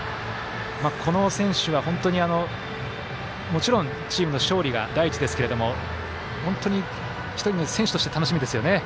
この選手は、本当に、もちろんチームの勝利が第一ですけど本当に１人の選手として楽しみですよね。